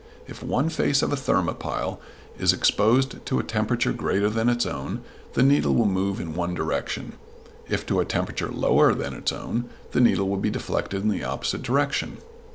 If one face of a thermopile is exposed to a temperature greater than its own, the needle will move in one direction; if to a temperature lower than its own, the needle will be deflected in the opposite direction.